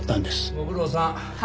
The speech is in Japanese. ご苦労さん。